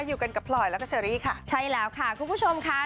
อยู่กันกับพลอยแล้วก็เชอรี่ค่ะใช่แล้วค่ะคุณผู้ชมค่ะ